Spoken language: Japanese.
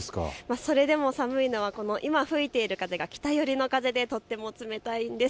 それでも寒いのは今吹いている風が北寄りの風でとても冷たいんです。